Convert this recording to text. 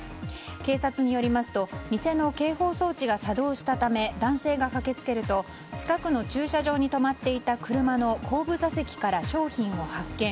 警察によりますと店の警報装置が作動したため男性が駆けつけると近くの駐車場に止まっていた車の後部座席から商品を発見。